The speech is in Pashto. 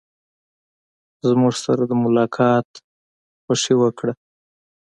زموږ سره د ملاقات خوښي وکړه.